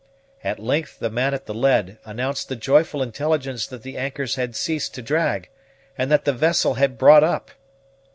At length the man at the lead announced the joyful intelligence that the anchors had ceased to drag, and that the vessel had brought up!